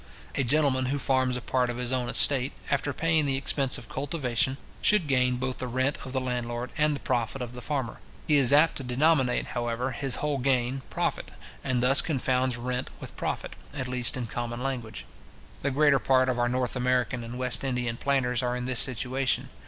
A gentleman who farms a part of his own estate, after paying the expense of cultivation, should gain both the rent of the landlord and the profit of the farmer. He is apt to denominate, however, his whole gain, profit, and thus confounds rent with profit, at least in common language. The greater part of our North American and West Indian planters are in this situation.